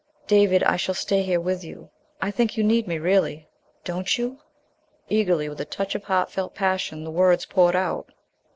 "David, I shall stay here with you. I think you need me really, don't you?" Eagerly, with a touch of heart felt passion, the words poured out.